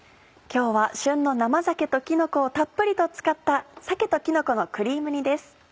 今日は旬の生鮭ときのこをたっぷりと使った「鮭ときのこのクリーム煮」です。